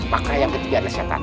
maka yang ketiga adalah setan